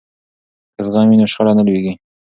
که زغم وي نو شخړه نه لویږي.